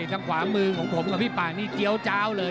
ทางขวามือของผมกับพี่ป่านี่เจี๊ยวเจ้าเลย